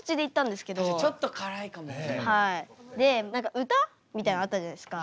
で何か歌みたいなのあったじゃないですか。